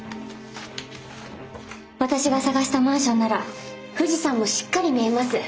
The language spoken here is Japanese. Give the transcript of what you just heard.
私が探したマンションなら富士山もしっかり見えます。